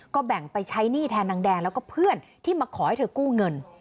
ก็แบ่งไปใช้หนี้แทนนางแดงแล้วก็เพื่อนที่มาขอให้เธอกู้เงิน